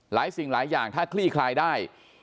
สิ่งหลายอย่างถ้าคลี่คลายได้